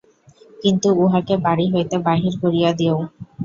কিন্তু উহাকে বাড়ি হইতে বাহির করিয়া দেও।